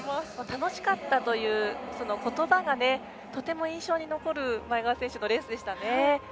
楽しかったという言葉がとても印象的に残る前川選手のレースでしたね。